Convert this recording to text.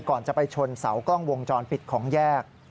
ก่อนจะไปชนเสากล้องวงจรปิดของแยก